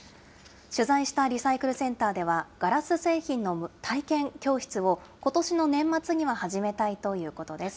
取材したリサイクルセンターでは、ガラス製品の体験教室を、ことしの年末には始めたいということです。